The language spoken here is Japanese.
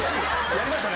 やりました。